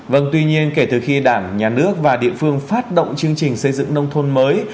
vâng tuy nhiên kể từ khi đảng nhà nước và địa phương phát động chương trình xây dựng nông thôn mới